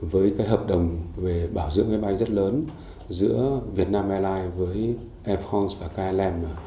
với các hợp đồng về bảo dưỡng máy bay rất lớn giữa việt nam airlines với air france và klm